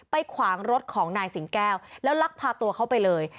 ขวางรถของนายสิงแก้วแล้วลักพาตัวเขาไปเลย